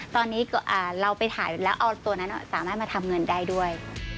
ตอนนี้เราไปถ่ายแล้วเอาตัวนั้นสามารถมาทำเงินได้ด้วย